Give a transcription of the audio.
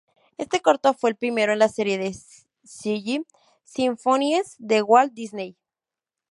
Este corto fue el primero en la serie de Silly Symphonies de Walt Disney.